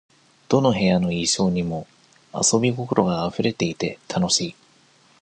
どの部屋の意匠にも、遊び心があふれていて、楽しい。